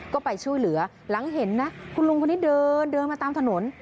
ก็ไปช่วยเหลือหลังเห็นนะคุณลุงคนนี้เดินเดินมาตามถนน